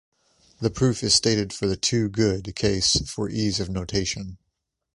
The proof is stated for the two-good case for ease of notation.